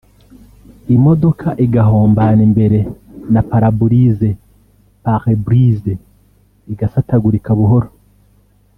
imodoka igahombana imbere na parabulise (pare-brise) igasatagurika buhoro